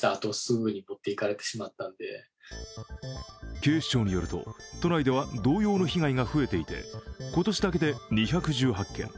警視庁によると、都内では同様の被害が増えていて今年だけで２１８件。